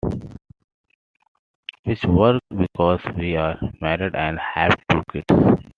Which worked, because we're married and have two kids.